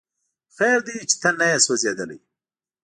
خیر دی چې ته نه یې سوځېدلی